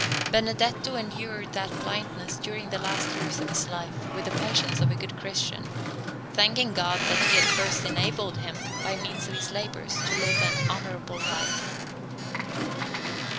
Benedetto endured that blindness during the last years of his life with the patience of a good Christian, thanking God that He had first enabled him, by means of his labours, to live an honourable life.